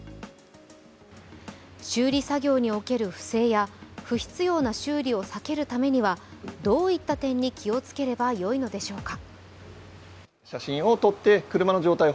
修理作業における不正や不必要な修理を避けるためにはどういった点に気をつければ良いのでしょうか。